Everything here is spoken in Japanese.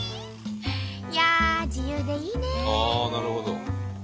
いやあ自由でいいね！